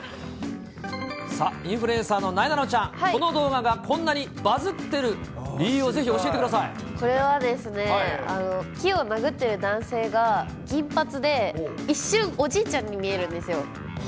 さあ、インフルエンサーのなえなのちゃん、この動画がこんなにバズってる理由をぜひ教えてくこれはですね、木を殴ってる男性が、銀髪で一瞬、おじいちゃんに見えるんですよ。